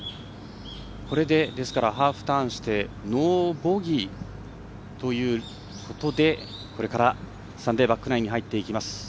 これで、ハーフターンしてノーボギーということでこれからサンデーバックナインに入っていきます。